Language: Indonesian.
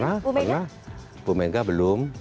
ya pernah bumega belum